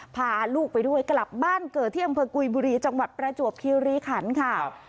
พาลูกไปด้วยกลับบ้านเกิดที่อำเภอกุยบุรีจังหวัดประจวบคิวรีขันค่ะ